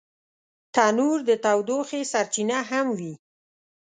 تنور د تودوخې سرچینه هم وي